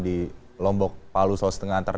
di lombok palu sos tengah antara